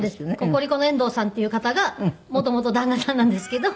ココリコの遠藤さんっていう方が元々旦那さんなんですけど。